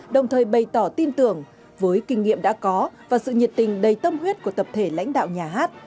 đồng thời bày tỏ tin tưởng với kinh nghiệm đã có và sự nhiệt tình đầy tâm huyết của tập thể lãnh đạo nhà hát